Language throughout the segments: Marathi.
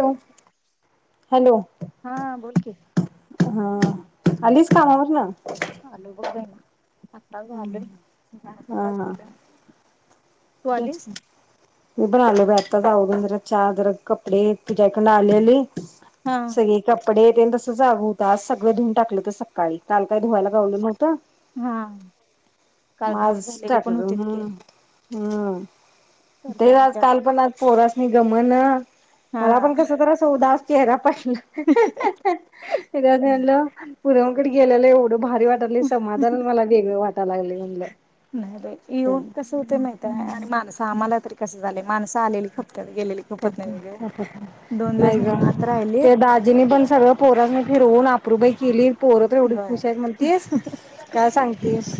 Low hello. हां बोलकी. हां आलीस कामावरन? आलोबग बईना आता झालय एक अर्धा हा तास हा झाला. तू तेच आलीस मिपन आलोय बइआ आता आवरून जरा चा जरा कपडे तुज्याइकडंन आल्याली. हा सगळी कप कपडेेतेन तसंच आग होता आज सगळ धून टाकलंत सकाळी काल का धुवायला गावलं नाइ हां काल मग घाण आज झालेले पण टाकलं होते इतके हम्म हम्म तरीआज काल पण आज पोर अस गमना. हा मलापण कसतर अस हुत अस चेहरा पश एकदा काय म्हणलं पुऱ्याहून [unintelligible] गेल्याला एवढं. भारी वाटालय समाधानं मला वेगळं वाटाय लागलंय म्हणलं. त्यें आणि माणसं आम्हाला तरीकस झालंय माणसं आलेली खपतात गेलेली खपत नाही वेगळे दोन [unintelligible] दिवस नाहीग निवांत राहिलीत ते दाजींनी पण सगळं पोरां फिरवून अप्रूबाई केली. पोरतर एवढी होय खुशायत म्हणतीस काय सांगतीस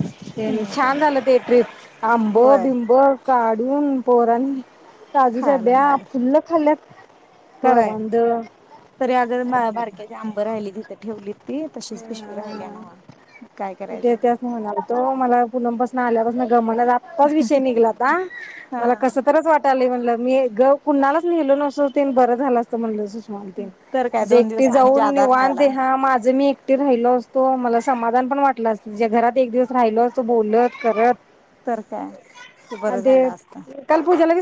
नाही बाई छान ना झालं ते ट्रीप होय आंबबिंब काढून पोरांनी काजूच्या ब्या फुल्ल खाल्ल्यात होय करवंद तरी अगं बाबारक्याचे आंब राहिलीत इथं ठेवलीत. ती [inaudible] तशीच पिशवी राहिल्या नव्ह काय करायचं तीथन आल्यावरण गमना आत्ताच विषय निघलाता हा मला कस तरच वाट [unintelligible] म्हणल मी गप कुणालाच गेलो नसतं तेन बरं झालं असतं म्हणल तर काय आज दोन एकटी दिवस आणि जाऊन जादा राहायला निव्हातं [unintelligible] माझं मीएक एकटी राहिलो असतो मला समाधान पण वाटलं असत तिज्या घरात एक दिवस राहिलो असतो बोलत करत. तर काय बरं झाल असतं.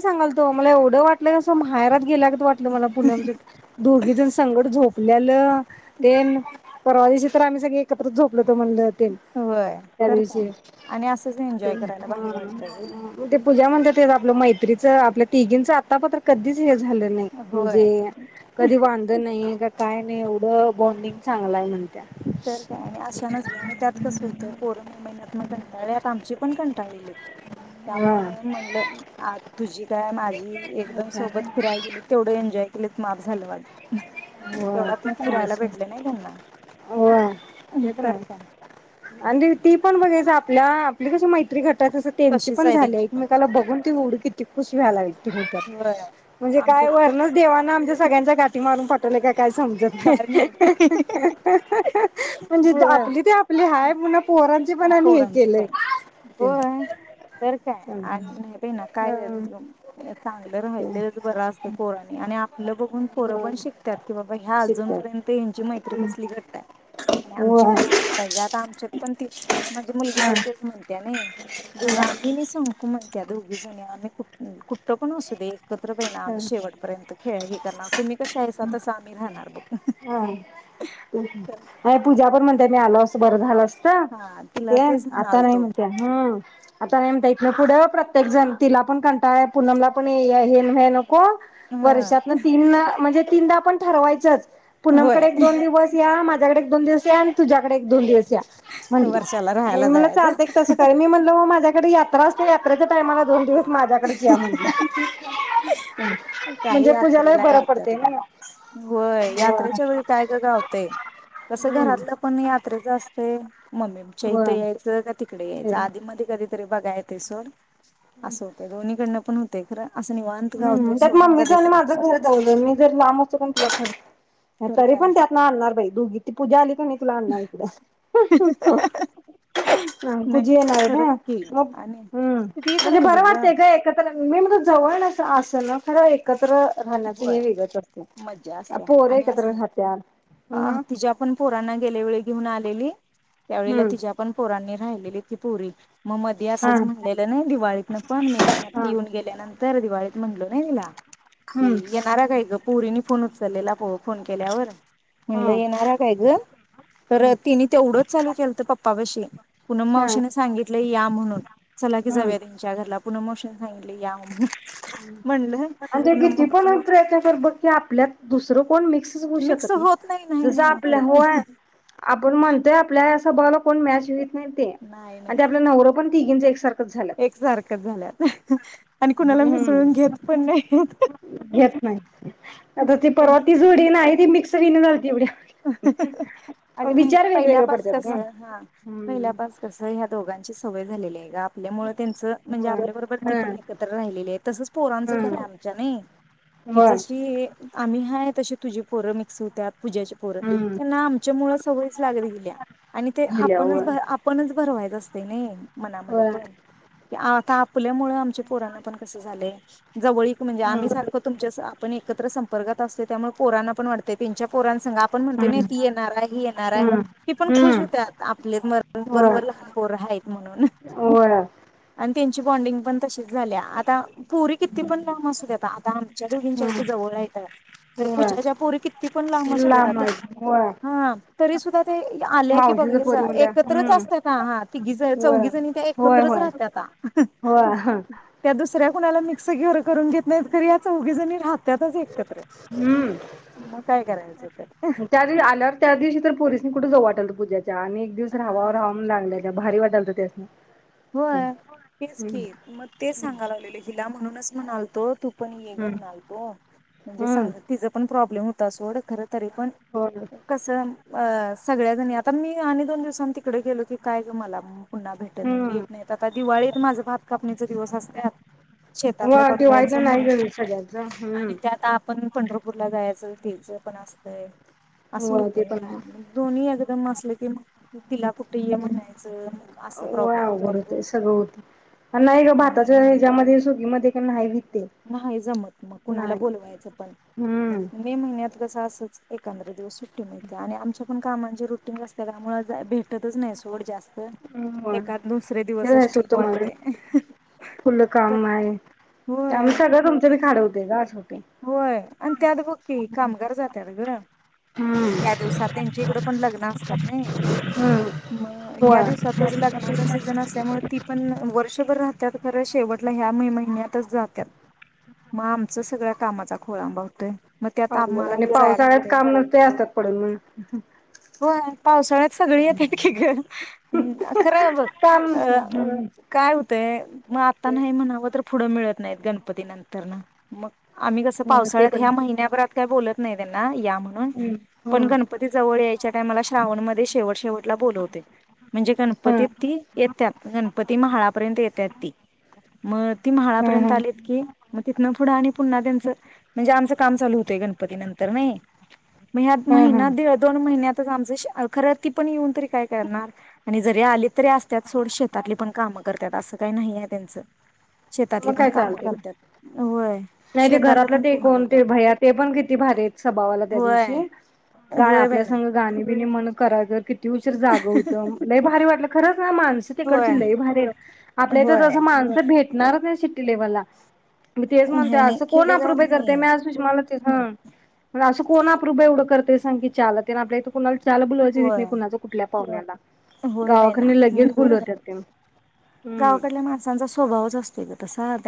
सांगालतो मला एवढं वाटलं असं माहेरात गेल्यागत वाटलं मला पुन्हा म्हंजे दोघीजण संग झोपल्यालं तेन परवा दिवशी तर आम्ही सगळे एकत्र झोपलोत तू म्हणली होय. [unintelligible] त्या तर दिवशी काय आणि असंच एन्जॉय करायला हा भारी वाटतंय गं. मग ते पूजा म्हणते आपलं मैत्री च आपल्या तिघींचं आत्ता पतुर कधीच झालेल नाही होय. म्हणजे कधी वांध नाही.. काय नाही एवढं बॉन्डिंग चांगलाय ना. तर काय आणि अशानच ग आणि त्यात कसं होतंय पोर मे महिन्यात मग कंटाळल्यात आमची पण कंटाळलेलीत. त्यामुळं म्हणलं आज तुझी काय माझी एकदम सोबत फिरायला गेली तेवढे एन्जॉय केले मा धन्यवाद. होय होय तेवढा ते पण फिरायला आहेच भेटले नाही त्यांना. होय ते [inaudible] पण आहे. काय. आणि ती पण बघायचं आपल्या. हिला कसं माहि रात्री घाटात त्यांची तशीच पण झाली आहे त्यांची पण. एकमेकाला बघून तेवढी किती खुश होय. [inaudible] म्हणजे काय आमच्यात तर वरणच देवानं आमच्या सगळ्यांच्या गाठी मारून पट तुला का काय समजत [unintelligible] काय माहिती. म्हजे जी आपली ते आपली हाय पुन्हा पोरं पोरांचे पण ते होय तर काय हा आणि नाही बाईंनाकाय चांगलं राहिलेच बरं असते पोरांनी आणि आपलं बघून पोरं पण शिकतात. कि बाबा ह्या शिकतात अजूनपर्यंत यांची मैत्री कसली घंट्ट आहे आणि हो आमची पण हा आशी पाहिजे आता आमच्यात पण ती माझी मुलगी पण तेच म्हणत्या नाही दो हा आम्ही नाही संकू म्हणत्या दोघी जणी आम्ही खूप कुठं पण असू दे. एकत्र बाई ना आम्ही शेवटपर्यंत खेळ हे करणार, तुम्ही कशा आहेसा तस आम्ही राहणार बघ हा तर बर झालं असतं. हा तिला हॅलो हा ए तेच आता नाही म्हणालतो म्हणत्या हा आता नाही म्हणत्या इथन पुढ प्रत्य एक्झाम तिला पण कंटाळा हाय पूनमला पण ए आय ए. ह [unintelligible] कोण वर्षातन ह तीनवेळा म्हणजे. तीनदा आपण ठरवायचच. होय पुनमकडे एक दोन दिवस या माज्या तूझ्याकड एक दोन दिवस या आणि तुझ्याकड एक दोन दिवस या, म्हणली वर्षाला राहायला म चालतय की तस करा मी म्हणलो माज्या तीकड यात्रा असतिया यात्रेच्या टाइमाला दोन दिवस माज्याकडच या म्हटलं. काय म्हणजे पूजाला यात्रेला बरं गावत्यात पडते ग ना होय यात्रेच्या वेळी काय ग गावतय कसं हम्म घरातलं पण यात्रेच अस ते ममीपच्या इथं यायचं होय का तिकड यायचं आधी मध्ये कधीतरी बघाय येतय सोड. असं होतय दोन्हीकडनं. पण होतय खर. असं निवांत गावतय सोड. तुज आणि माझं घर जवळ जवळ मी जर लांब असतो कणी जखमी [unintelligible] तर तरी काय पण त्यातन आणणार बाई दुघी ती पूजा आली. मी तुला आणणार इकड हं पूजी नाही येणार आहे ना हं खरंच की मग आणि तीच म्हणजे राहिली बरं वाटतय ग एकत्र मी म्हणतो जवळ नसल त्यांना खरं एकत्र व्हय वेगळंच मज्जा असतंय असतिया पोरं आणि एकत्र असणारच राहत्यात अ हम्म तिच्या पण पोरांना गेल्यावेळी घिवून आलेली. त्यावेळेला हम्म तिज्या पण पोरांनी राहलेलीत की पोरी म मधे हा असंच म्हणलेलं नाही दिवाळीतन पण मे हा महिन्यात येऊन गेल्यानंतर दिवाळीत म्हणलो नाही तिला ये हम्म येनारा काय ग पो पोरींनी फोन उचललेला फो फोन केल्यावर म्हणलं हा येणारा काय ग हम्म तर तिनी तेवढंच चालू केलंत पप्पापाशी पूनम हा मावशीन सांगितलंय या म्हणून चला की हम्म जाऊया त्यांच्या घरला पूनम मावशीन सांगितलंय या म्हणून म्हणलं आणि पूनम किती पण अ प्रयत्न कर बघ ते आपल्यात दुसरं कोण मिक्सच होऊ मिक्स शकत नाही होत नाही जस नाही आपल्या आपल्यात होय आपण म्हणतोय आपल्याच स्वभावाला कोण मॅच होईत नाय ते आणि ते आपल नवरं पण तिघींच एक सार एक सारखचं झाल्यात आणि कुणाला हम्म मिसळून घेत पण नाहीत. घेत नाय आता ती परवा ती जोडी नाही ती मिक्स तरी येईना झालंती एवढ्या अग नाही विचार वेगवेगळे पहील्यापास पडतात कस ग. हा हम्म पहिल्यापास कस ह्या दोघांचीचं सवय झालेली हाय ग आप आपल्यामुळे त्यांच म्हणजे होय आपल्याबरोबर ती पण हम्म एकत्र राहिलेली तसच पोरांच पण आहे हम्म आमच्या नई की होय जशी आम्ही हाय तशी तुझी पोर मिक्स हुत्यात पूजाच पोर हम्म यांना आमच्या मुळ सवयीचं लागली गेलिया आणि ते गेल्या आपणच होय आपणच भरवायच अस तय नी मनामध्ये होय पण की आता आपल्यामुळ आमचे पोरांना पण कसं झालंय जवळीक म्हणजे हम्म आम्ही सारख तुमच्यास आपण एकत्र समं वर्गात असतयं त्यामुळ पोरांना पण वाटतयं त्यांच्या पोरानं संग आप आपण म्हणतोय नी हम्म ती येणार हाय ही येणार हाय हम्म ती पण खुश हम्म हूत्यात आपलेत होय. बरोबर लहान पोर हायत म्हणून होय आण त्यांची बॉंडिंग पण तशीच झाल्या आता पोरी किती पण लांब असू द्यात, आता आमच्या दोघींच्या हित जवळ हायत. तर होय पूजाच्या पोरी किती पण लांब असू ला द्यात आत मावशी होय हा तरी सुद्धा ते आल्या की मावशीच बघायचं पोरी म्हणल्या एकत्रच हम्म असत्याता आ हा तिघी ज होय चौघी जणी त्या होय एकत्रच होय राहत्याता आ होय त्या दुसऱ्या कुणाला मिक्स कर करून घेत नाहीत खर या चौघी जणी राहत्याताच एकत्र हम्म मग काय करायचं तर त्या दिवशी आल्यावर त्या दिवशी तर पोरिसणी कुठ जाऊ वाटलत पूज्या आणि एक दिवस राहावा हा मग राहावा म्हणून लागल भारी वाटालत त्या दिवशी. होय हेच की मग तेच सांगा लागलेलं हिला म्हणूनच म्हणालतो तू [inaudible] हम्म म्हणजे हम्म संग तीचा पण प्रॉब्लेम सोड खरं तरी पण होय कस अ सगळ्याजणी आता मी आणि दोन दिवसांनी तिकडे गेलो की काय ग मला पुन्हा हम्म भेट आता दिवाळीत माझ भात कापणीचा दिवस असत्यात शेतातलं होय बघायच दिवाळीतनं मग नाही गेली सगळ्यांच हम्म आणि त्यात आप पण पंढरपूरला जायचं तिचं पण असतंय. असं होय होतय ते पण आहे नई दोन्ही एकदम काम असलं की मगं तीला कुठे ये म्हणायचं मगं‌ असं प्रॉब्लेम येत.. सगळ होतय, नाही ग भाताच्या ह्याच्यामध्ये सु [unintelligible] नाही जमत मग कुणाला बोलवायचं पण मग, हम्म मे महिन्यात कस अस एकांद दिवस सुट्टी सुट्टी मिळत्या आणि आमच्या कामांची रुटीन असते त्यामुळे भेटतचं नाही सोड जास्त. एका दुसरे दिवसच ठीक वाटतयं. फुलं काम आहे. त्या [unintelligible] [inaudible] होय आणि त्यात बक्की कामगार जात्यात गं हम्म ह्या दिवसात त्यांच्या इकड पण लग्न असतात नाय मग ह्या होय दिवसातच लग्नाचा सीझन असल्यामुळे ती पण वर्षभर राह त्यात खरं शेवटला ह्या मे महिन्यात जात्यात मगं आमच्या सगळ्यां कामाचा खोळंबा होतय हो बोल आणि पावसाळ्यात काम नसत ते असतात पडून.. होय पावसाळ्यात सगळी येते की ग खरं अं काम अं नसणार काय होतय मग आता नाही म्हणावं तर पुढं मिळत- नाही गणपती नंतरन मगं. आम्ही कसं हो ते पावसाळ्यात पण ह्या महिन्याभरात काय बोलत. नाही त्यांना या. म्हणून हम्म पण हा गणपती जवळ मला श्रावण मध्ये शेवट शेवट ला बोलवतोय. म्हणजे हा गणपती तीन येतात गणपती म्हाळापर्यंं येताती. मग ती हा म्हाळापर्यंत हा आली की मग तिथन पुढ आणि पुन्हा त्यांच म्हणजे आमच काम चालु होते गणपती नंतर नाही. मगं ह्यात हा हा महिना दे दोन महिन्यात. [unintelligible] ती पण येऊन तरी काय करणार. आणि जरी आले तरी असतात., सोड शेतातली पण कामं करतात असं काही नाही आहे त्यांचं. शेतातली मग पण काय कामं चालते करत्यात होय नाही ते शेतातलं घरातलं पण ते पूर्ण कोण करत्यात. ते भैया ते पण किती भारी आहेत. स्वभावाला त्या होय दिवशी गा होय आपल्या बहिना संग गाणी. [inaudible] किती उशिर जाग होत लय भारी वाटलं खरंच ना माणसं होय तिकडची लय भारीयत आपल्या इथ जस होय. माणसं भेट [unintelligible] शिट्टी लेवला. मी तेच म्हणतो नाही नाही असं कोण खेडेगावात अप्रुभाय करते नाहीये. मी आज सुषमाला हं असं कोण आप्रुभाय एवढं करत सांग की चहा ला तेन आपल्या इथ कुणाला चहाला बलायची रित होय. नाही कुणां कुठला [unintelligible] होय बैना खरं तेन हम्म. गावाकडल्या माणसांचा स्वभावच असतोय गं. [unintelligible]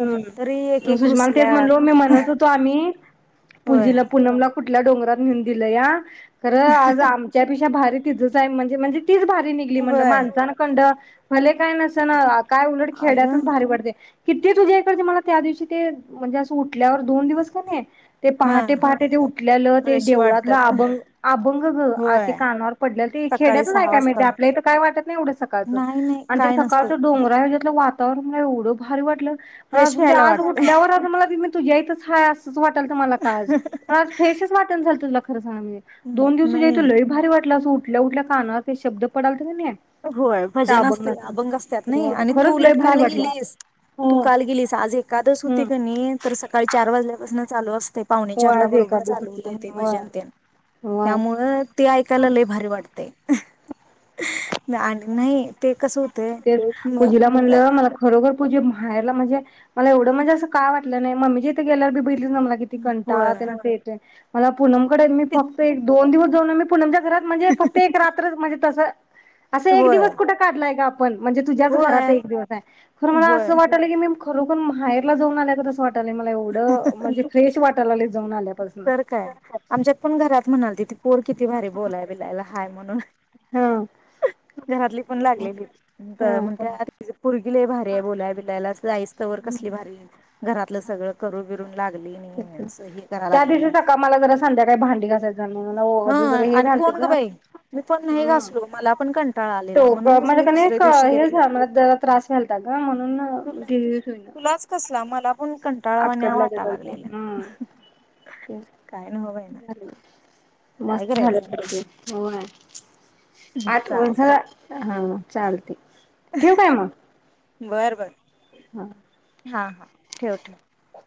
हम्म सुषमाला तेच म्हणलो रुसल्यात मी म्हणत होतो आम्ही होय. पुजीला पूनम ला कुठल्या डोंगरात नेऊन दिलं या.. खरं आज आमच्यापेक्षा भारी तिथंचय जा म्हणे म्हणजे तीच भारी निघली म्हणलं होय. माणसानकंड.. भले काय नस ना आज. काय उलट अगं खेड्यातून भारी वाटतयं. किती तुझ्या इकची मला त्या दिवशी ते म्हणजे असं उठल्यावर दोन दिवस कणी ते हा. पहाटे पहाटे ते उठलेलं ते फ्रेश देवळातलं वाटतात. अभंग अभंग ग ते होय. कानावर पडलेलं ते सकाळी खेड्यातच सहा ऐकाय मिळतय वाजता. आपल्या इथ काय वाटत नाही, एवढं सकाळचं नाही नाही आणि ते काय नसते. सकाळचं डोंगरा हज्यातलं वाता [inaudible] भारी वाटलं. पण फ्रेश अजून ते व्हायला आज वाटतंय. उठल्यावर अगं मला तूझ्या हितच आहे असं, तसं वाटालत मला काज मला आज फ्रेशच वाटणं झालंत, तूला [unintelligible] दोन दिवसाच इथं नाही लई भारी वाटलं असं उठू उठल्या उठल्या कानावर ते शब्द पडा [unintelligible] होय भजन असतंय अभंग असत्यातं ने होय आणि तू खरंच लई उलट भारी काल वाटलं. गेलीस तू काल हम्म गेलीस आज एकादस होती कणी तर सकाळी चार वाजल्यापासून न चालू अस ते पावणे होय चारला आज बरोबर एकादस चालू होती होतय ते होय भजन त्या होय. त्यामुळं ते ऐकायला लई भारी वाटतंय. ने आणं नाही ते कसं होतेय ते पूजीला म्हणलं [unintelligible] मला खरोखर पूजे माहेरला म्हणजे? मला एवढं म्हणजे असं काय वाटलं नाही मम्मीच्या हित गेल्यावर होय [unintelligible] [unintelligible] मला प पूनम कडे मी ते- फक्त एक दोन दिवस पूनम मी पूनमच्या परत म्हणजे फक्त एक रात्रच म्हणजे तसं. असं एक होय दिवस काढलय गं आप पण म्हणजे तुझ्याच घरात होय एक दिवस आहे खरं मला होय असं वाटय लागलंय कि मी खरोखरं माहेरला जाऊन आल्यागत असं वाट आणि मला एवढं म्हणजे फ्रेश वाटायल लागलेत. जाऊन आलयात. तर काय आमच्यात पण घरात म्हणाल तिथं पोर किती भारी बोलाय बिलायला हाय म्हणून. हम्म. घरातली पण लागलेलेत त हं म काय आज [unintelligible] पोरी. ल यभारी ये बलाय बिलायला स्लाईस. त वर कसली भारी. घरातलं सगळं करू बिरून लागली आणि असं हे करा त्या लागलेली दिवशी सका मला जरा संध्याकाळी भांडी घासाय ह आणि कोण ग बाई मी पण नाही घासलो मला पण कंटाळा आलेला म्हणूनच मी दुसऱ्या दिवशी घेतलं तुला तुलाच कसला मला पण कंटाळावाण्या वाटा [unintelligible] लागलेला काय नव्ह बाई ना [unintelligible] काय मस्त झालं करायचं होय चालतंय [unintelligible] चालते. ठेवू काय मग? बर बर हा. हा हा ठेव ठेव